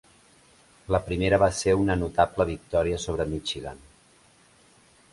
La primera va ser una notable victòria sobre Michigan.